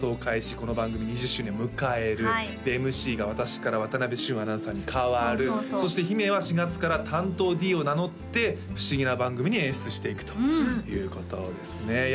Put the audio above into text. この番組２０周年を迎えるでＭＣが私から渡部峻アナウンサーに代わるそして姫は４月から担当Ｄを名乗って不思議な番組に演出していくということですねいや